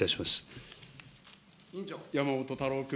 山本太郎君。